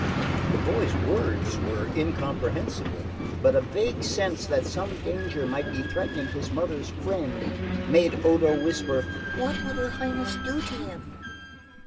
The boy's words were incomprehensible, but the vague sense that some danger might be threatening his mother's friend made Odo whisper: "What would her Highness do to him?"